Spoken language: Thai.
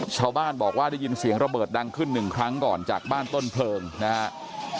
ชาวบ้านบอกว่าได้ยินเสียงระเบิดดังขึ้นหนึ่งครั้งก่อนจากบ้านต้นเพลิงนะครับ